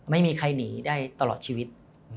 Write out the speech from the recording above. ไม่มีใครหนีได้ตลอดชีวิต